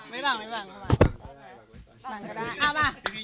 ไม่บังไม่บัง